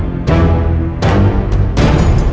tindakan terima nih